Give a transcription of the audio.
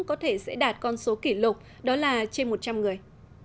có thể sẽ đạt con số kỷ lục đó là trên một trăm linh người